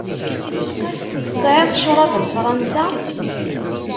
Tesεiḍ ccrab n Fransa?